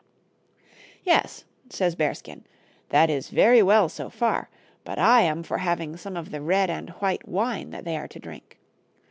•' Yes," says Bearskin, " that is very well so far, but I am for having some of the red and white wine that they are to drink.